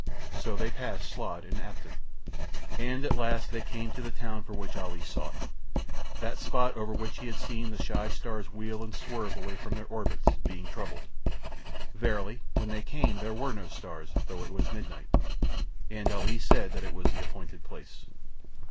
So they passed Slod and Apton. And at last they came to the town for which Ali sought, that spot over which he had seen the shy stars wheel and swerve away from their orbits, being troubled. Verily when they came there were no stars, though it was midnight. And Ali said that it was the appointed place.